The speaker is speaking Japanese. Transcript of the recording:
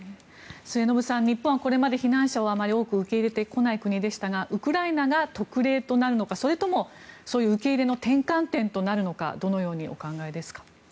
末延さん、日本はこれまで避難者をあまり多く受け入れてこない国でしたがウクライナが特例となるのかそれともそういう受け入れの転換点となるのかどのようにお考えですか。